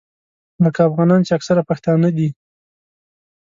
لکه افغانان چې اکثره پښتانه دي.